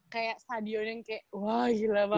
kayak stadion yang kayak wah gila banget